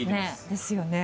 ですよね。